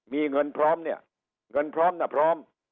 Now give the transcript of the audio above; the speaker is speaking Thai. มีเงินพร้อมเนี่ยเงินพร้อมนะพร้อม